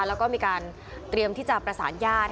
แล้วก็มีการเตรียมที่จะประสานญาติ